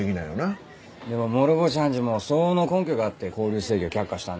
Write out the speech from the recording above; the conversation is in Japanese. でも諸星判事も相応の根拠があって勾留請求を却下したんだろ。